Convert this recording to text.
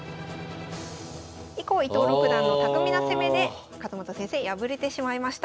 以降伊藤六段の巧みな攻めで勝又先生敗れてしまいました。